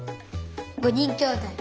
５にんきょうだい。